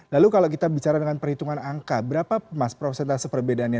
lalu kalau kita bicara dengan perhitungan angka berapa mas prosentase perbedaannya